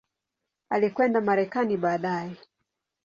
Alikwenda Marekani baadaye.